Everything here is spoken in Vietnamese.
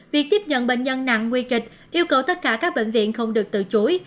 việc tiếp nhận bệnh nhân nặng nguy kịch yêu cầu tất cả các bệnh viện không được từ chối